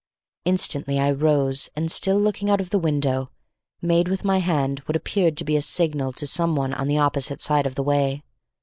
Instantly I rose and still looking out of the window, made with my hand what appeared to be a signal to some one on the opposite side of the way.